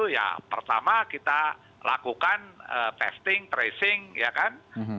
ya pertama kita lakukan testing tracing ya kan